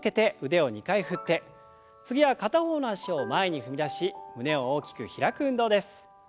次は片方の脚を前に踏み出し胸を大きく開く運動です。